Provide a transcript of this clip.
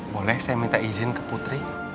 boleh saya minta izin ke putri